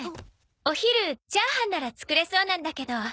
お昼チャーハンなら作れそうなんだけど。